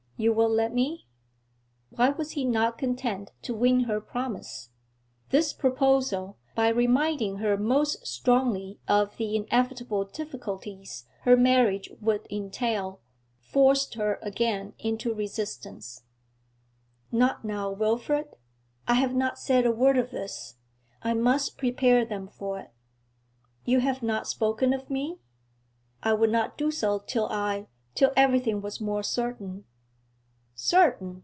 'You will let me?' Why was he not content to win her promise? This proposal, by reminding her most strongly of the inevitable difficulties her marriage would entail, forced her again into resistance. 'Not now, Wilfrid. I have not said a word of this; I must prepare them for it.' 'You have not spoken of me?' 'I would not do so till I till everything was more certain.' 'Certain!'